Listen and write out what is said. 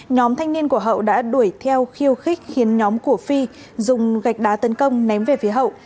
nhóm thanh niên của hậu đã đuổi theo khiêu khích khiến nhóm của phi dùng gạch đá tấn công ném về phía hậu